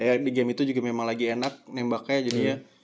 ya di game itu juga memang lagi enak nembaknya jadinya